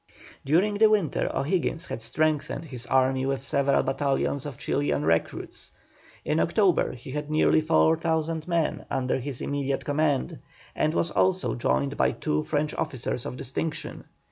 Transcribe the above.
During the winter O'Higgins had strengthened his army with several battalions of Chilian recruits; in October he had nearly 4,000 men under his immediate command, and was also joined by two French officers of distinction.